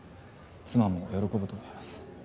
妻も喜ぶと思います。